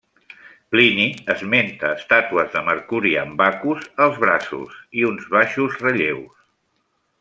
Plini esmenta estàtues de Mercuri amb Baccus als braços, i uns baixos relleus.